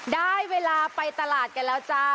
ได้เวลาไปตลาดกันแล้วจ้า